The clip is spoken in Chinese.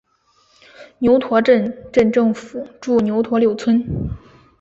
牛驼镇镇政府驻牛驼六村。